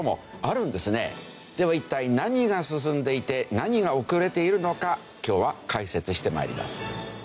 では一体何が進んでいて何が遅れているのか今日は解説して参ります。